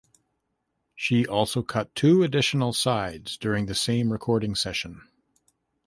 She also cut two additional sides during the same recording session.